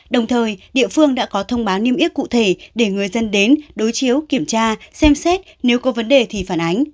đồng thời địa phương đã có thông báo niêm yết cụ thể để người dân đến đối chiếu kiểm tra xem xét nếu có vấn đề thì phản ánh